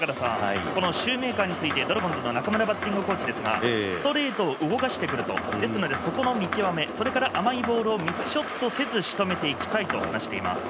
このシューメーカーについて、ドラゴンズの中村バッティングコーチですがストレートを動かしてくるとですからそこの見極めそれから甘いボールをミスショットせずしとめていきたいとしています。